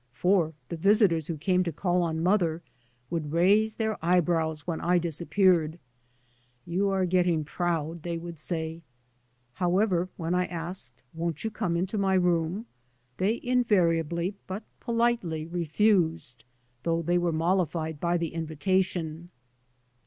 For the visitors who came to call on mother would raise their eyebrows when I disap peared. " You are getting proud," they would say. However, when I asked, " Won't you come into my room?" they in variably but politely refused, though they were mollified by the invitation.